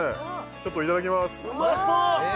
ちょっといただきますうまそう！